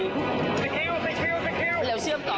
ของท่านได้เสด็จเข้ามาอยู่ในความทรงจำของคน๖๗๐ล้านคนค่ะทุกท่าน